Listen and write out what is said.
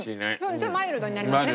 ちょっとマイルドになりますね